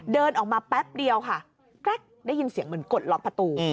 เดินออกมาแป๊บเดียวค่ะแกร๊กได้ยินเสียงเหมือนกดล็อกประตู